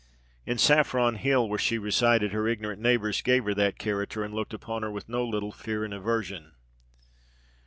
In Saffron Hill, where she resided, her ignorant neighbours gave her that character, and looked upon her with no little fear and aversion."